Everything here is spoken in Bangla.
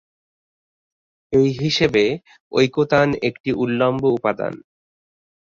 এই হিসেবে ঐকতান একটি উল্লম্ব উপাদান।